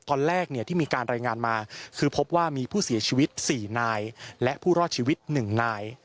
ตอนแรกที่มีการรายงานมาคือพบว่ามีผู้เสียชีวิต๔นายและผู้รอดชีวิต๑นาย